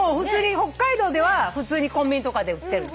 北海道では普通にコンビニとかで売ってる。